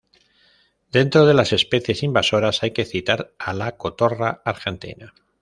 Dentro de las especies invasoras hay que citar a la cotorra argentina.